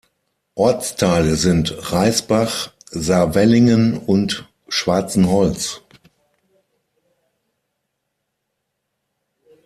Ortsteile sind Reisbach, Saarwellingen und Schwarzenholz.